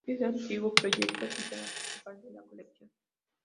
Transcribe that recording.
Este antiguo proyector es el tema principal de la colección.